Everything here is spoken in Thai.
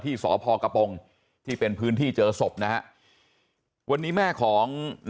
สพกระปงที่เป็นพื้นที่เจอศพนะฮะวันนี้แม่ของ